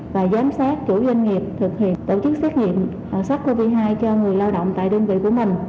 và giám sát chủ doanh nghiệp thực hiện tổ chức xét nghiệm sars cov hai cho người lao động tại đơn vị của mình